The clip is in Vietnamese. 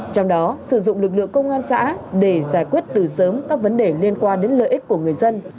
trong đó sử dụng lực lượng công an xã để giải quyết từ sớm các vấn đề liên quan đến lợi ích của người dân